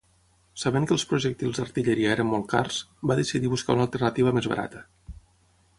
Sabent que els projectils d'artilleria eren molt cars, va decidir buscar una alternativa més barata.